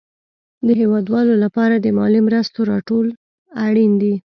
د هېوادوالو لپاره د مالي مرستو راټول اړين دي.